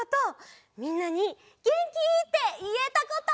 みんなに「げんき？」っていえたこと！